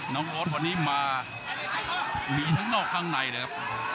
น้องโอ๊ตวันนี้มามีทั้งนอกทั้งในเลยครับ